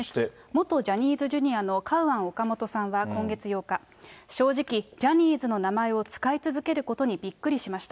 元ジャニーズＪｒ．のカウアン・オカモトさんは今月８日、正直、ジャニーズの名前を使い続けることにびっくりしました。